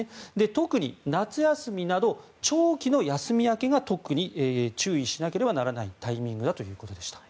特に夏休みなど長期の休み明けが特に注意しなければならないタイミングだということでした。